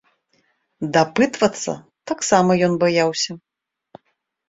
Дапытвацца таксама ён баяўся.